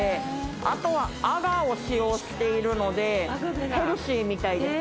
あとはアガーを使用しているのでヘルシーみたいです。